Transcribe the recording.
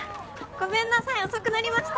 ごめんなさい遅くなりました。